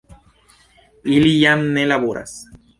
Ili jam ne laboras.